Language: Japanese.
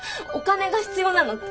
お金が必要なの。